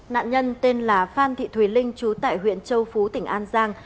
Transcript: nạn nhân tên là phan thị thùy linh chú tại huyện châu phú tỉnh an giang